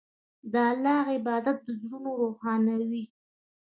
د الله عبادت زړونه روښانوي.